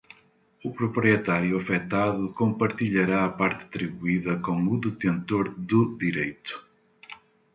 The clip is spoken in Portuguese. O proprietário afetado compartilhará a parte atribuída com o detentor do direito.